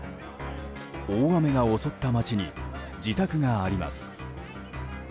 大雨が襲った街に自宅があります。